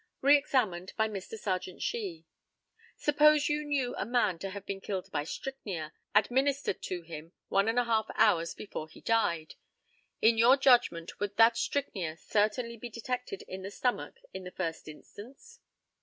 Re examined by Mr. Serjeant SHEE: Suppose you knew a man to have been killed by strychnia, administered to him one and a half hours before he died, in your judgment would that strychnia certainly be detected in the stomach in the first instance?